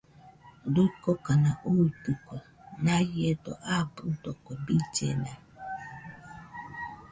Kuikokana uitɨkue, naiedo abɨdo kue billena